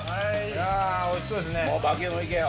おいしそうですね。